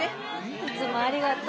いつもありがとう。